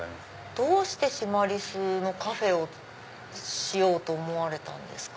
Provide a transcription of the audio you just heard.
どうしてシマリスのカフェをしようと思われたんですか？